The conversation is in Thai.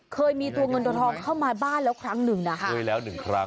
เคยมีตัวเงินตัวทองเข้ามาบ้านแล้วครั้งหนึ่งนะคะเคยแล้วหนึ่งครั้ง